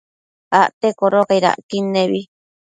Acte codocaid acquid nebi